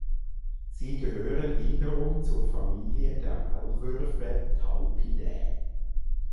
Sie gehören wiederum zur Familie der Maulwürfe (Talpidae).